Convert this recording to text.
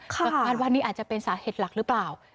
ก็คาดว่านี่อาจจะเป็นสาเหตุหลักหรือเปล่า